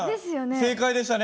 正解でしたね。